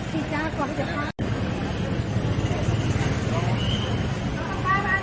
สวัสดีครับคุณพลาด